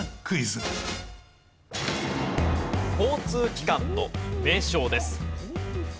交通機関の名称です。